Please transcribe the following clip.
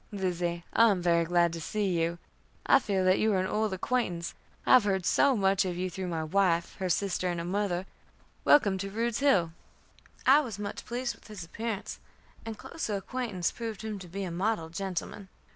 "Lizzie, I am very glad to see you. I feel that you are an old acquaintance, I have heard so much of you through my wife, her sister, and her mother. Welcome to Rude's Hill." I was much pleased with his appearance, and closer acquaintance proved him to be a model gentleman.